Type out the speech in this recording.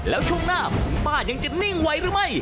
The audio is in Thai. แล้วช่วงหน้าคุณป้ายังจะนิ่งไว้หรือไม่